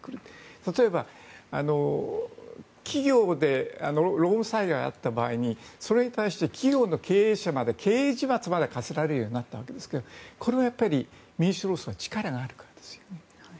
例えば、企業で労務災害があった場合にそれに対して企業の経営者まで刑事罰まで科せられるようになったわけですがこれは民主労総に力があるからですよね。